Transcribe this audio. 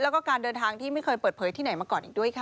แล้วก็การเดินทางที่ไม่เคยเปิดเผยที่ไหนมาก่อนอีกด้วยค่ะ